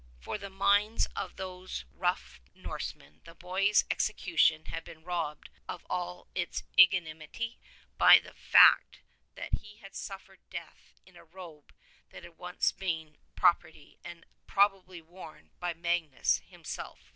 For in the minds of these rough Norsemen the boy's exe cution had been robbed of all its ignominy by the fact that he had suffered death in a robe that had once been the prop erty of and probably worn by Magnus himself.